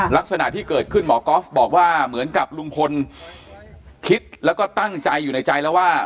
ลักษณะที่เกิดขึ้นหมอก๊อฟบอกว่าเหมือนกับลุงพลคิดแล้วก็ตั้งใจอยู่ในใจแล้วว่า